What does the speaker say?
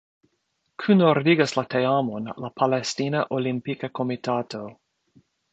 Kunordigas la teamon la Palestina Olimpika Komitato.